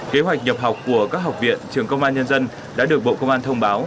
kế hoạch nhập học của các học viện trường công an nhân dân đã được bộ công an thông báo